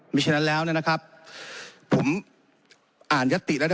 ไม่ใช่นั้นแล้วนะครับผมอ่านยัตติแล้ว